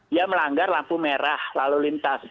dia melanggar lampu merah lalu lintas